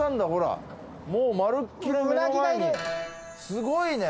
すごいね！